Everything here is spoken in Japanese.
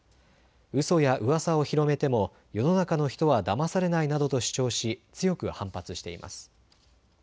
うそや噂を広めても世の中の人はだまされないなどと主張し強く反発しています。